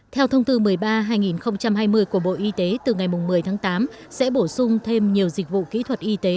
theo thông tư một mươi ba hai nghìn hai mươi của bộ y tế từ ngày một mươi tháng tám sẽ bổ sung thêm nhiều dịch vụ kỹ thuật y tế